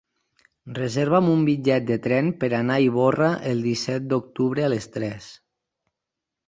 Reserva'm un bitllet de tren per anar a Ivorra el disset d'octubre a les tres.